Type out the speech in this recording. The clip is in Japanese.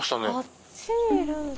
あっちにいるんだ。